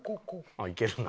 あっいけるな。